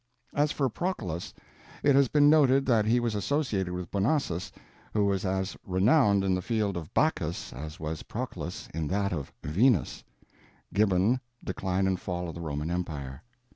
As for Proculus, it has been noted that he was associated with Bonosus, who was as renowned in the field of Bacchus as was Proculus in that of Venus (Gibbon, Decline and Fall of the Roman Empire).